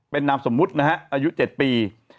เป็นนามสมมุตินะฮะอายุ๗ปี